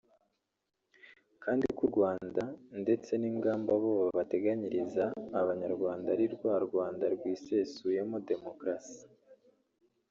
kandi ko u Rwanda ndetse n’ingamba bo bateganyiriza abanyarwanda ari rwa Rwanda rwisesuyemo “demokrasi”